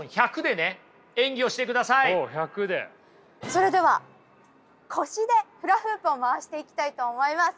それでは腰でフラフープを回していきたいと思います。